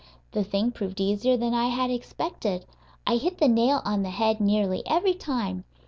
The thing proved easier than I had expected. I hit the nail on the head nearly every time.